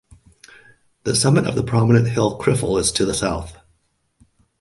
The summit of the prominent hill Criffel is to the south.